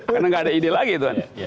karena nggak ada ide lagi itu kan